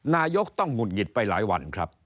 นายกต้องหงุดหงิดไปหลายวันครับ